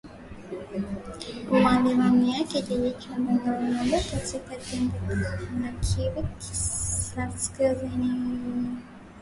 walivamia kijiji cha Bulongo katika jimbo la Kivu kaskazini